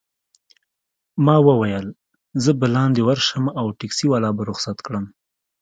ما وویل: زه به لاندي ورشم او ټکسي والا به رخصت کړم.